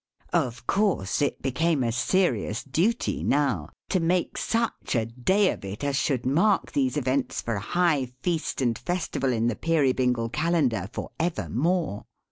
Of course it became a serious duty now, to make such a day of it, as should mark these events for a high Feast and Festival in the Peerybingle Calendar for evermore.